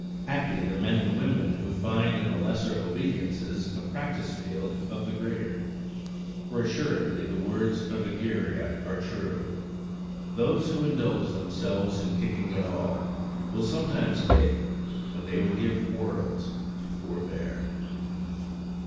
Happy the men and women who find in the lesser obediences a practise field of the greater; for assuredly the words of Egeria are true: "Those who indulge themselves in kicking at all, will sometimes kick when they would give worlds to forbear."